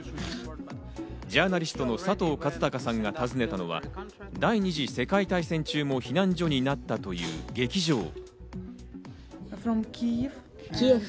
ジャーナリストの佐藤和孝さんが訪ねたのは第二次世界大戦中も避難所になったという劇場。